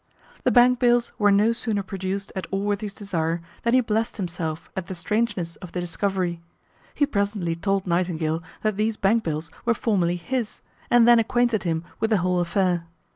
The bank bills were no sooner produced at Allworthy's desire than he blessed himself at the strangeness of the discovery. He presently told Nightingale that these bank bills were formerly his, and then acquainted him with the whole affair.